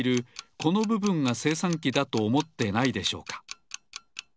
このぶぶんがせいさんきだとおもってないでしょうか？